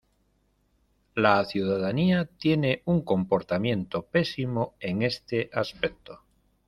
La ciudadanía tiene un comportamiento pésimo en este aspecto.